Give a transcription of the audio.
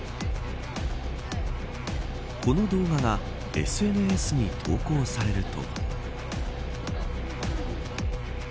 この動画がＳＮＳに投稿されると。